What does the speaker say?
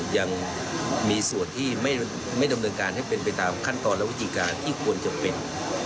ยังมีส่วนที่ไม่ดำเนินการให้เป็นไปตามขั้นตอนและวิธีการที่ควรจะเป็น